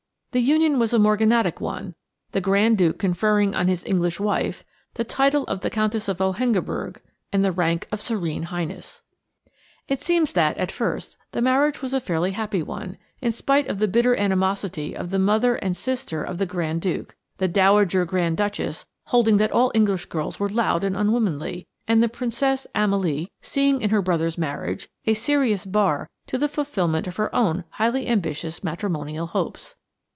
The union was a morganatic one, the Grand Duke conferring on his English wife the title of the Countess of Hohengebirg and the rank of Serene Highness. It seems that, at first, the marriage was a fairly happy one, in spite of the bitter animosity of the mother and sister of the Grand Duke: the Dowager Grand Duchess holding that all English girls were loud and unwomanly, and the Princess Amalie, seeing in her brother's marriage a serious bar to the fulfilment of her own highly ambitious matrimonial hopes.